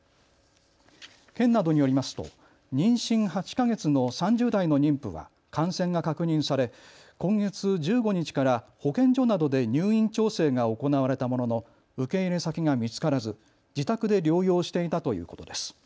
県などによりますと妊娠８か月の３０代の妊婦は感染が確認され今月１５日から保健所などで入院調整が行われたものの受け入れ先が見つからず自宅で療養していたということです。